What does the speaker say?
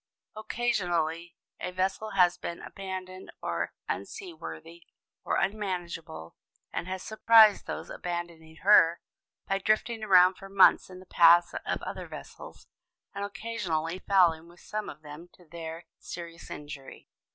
Occasionally a vessel has been abandoned as unseaworthy or unmanageable, and has surprised those abandoning her by drifting around for months in the path of other vessels and occasionally fouling with some of them, to their serious injury.